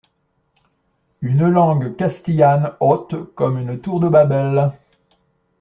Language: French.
Une langue castillane haute comme une tour de Babel.